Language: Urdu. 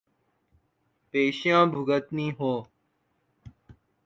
پیشیاں بھگتنی ہوں۔